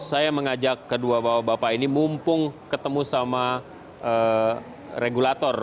saya mengajak kedua bapak bapak ini mumpung ketemu sama regulator